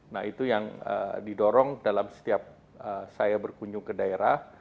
nah itu yang didorong dalam setiap saya berkunjung ke daerah